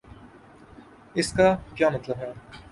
اس کا کیا مطلب ہے؟